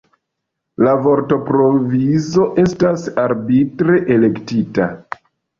La vortprovizo estas arbitre elektita.